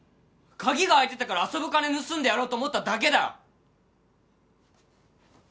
鍵が開いてたから遊ぶ金盗んでやろうと思っただけだよ！